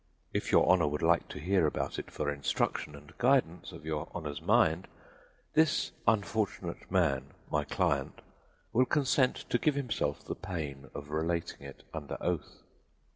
If your Honor would like to hear about it for instruction and guidance of your Honor's mind, this unfortunate man, my client, will consent to give himself the pain of relating it under oath."